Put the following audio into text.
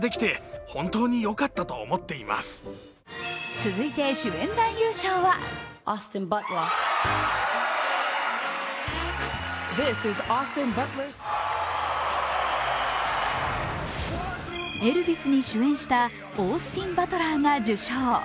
続いて主演男優賞は「エルヴィス」に主演したオースティン・バトラーが受賞。